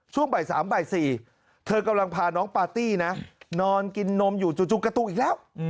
ช่วงบ่าย๓บ่าย๔เธอกำลังพาน้องปาร์ตี้นะนอนกินนมอยู่จู่กระตุกอีกแล้ว